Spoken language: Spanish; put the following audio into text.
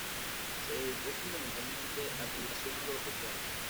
Se dedicó fundamentalmente a tributación agropecuaria.